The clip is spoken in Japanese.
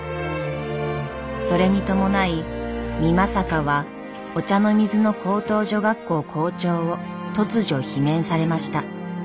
それに伴い美作は御茶ノ水の高等女学校校長を突如罷免されました。